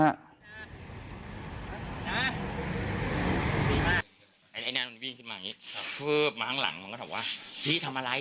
อันนี้มันวิ่งขึ้นมาอย่างงี้มาข้างหลังมันก็ตอบว่าพี่ทำอะไร